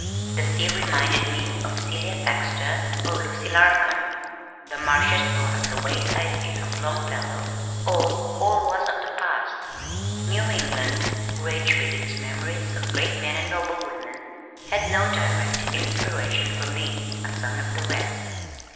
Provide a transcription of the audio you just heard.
The sea reminded me of Celia Thaxter or Lucy Larcom. The marshes brought up the Wayside Inn of Longfellow; all, all was of the past. New England, rich with its memories of great men and noble women, had no direct inspiration for me, a son of the West.